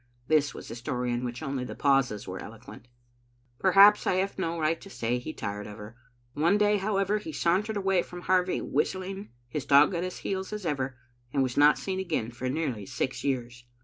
This was a story in which only the pauses were eloquent. " Perhaps I have no right to say he tired of her. One day, however, he sauntered away from Harvie whistling, his dog at his heels as ever, and was not seen again for nearly six years.